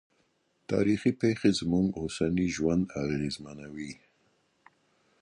تاریخي پېښې زموږ اوسنی ژوند اغېزمنوي.